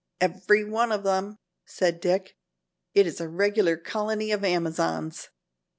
"Every one of them," said Dick. "It is a regular colony of Amazons."